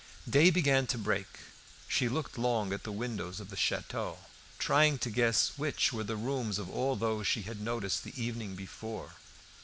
Day began to break. She looked long at the windows of the château, trying to guess which were the rooms of all those she had noticed the evening before.